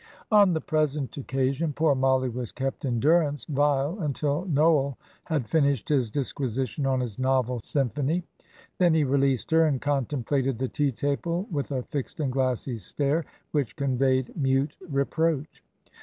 On the present occasion poor Mollie was kept in durance vile until Noel had finished his disquisition on his novel symphony; then he released her, and contemplated the tea table with a fixed and glassy stare, which conveyed mute reproach.